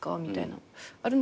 みたいな。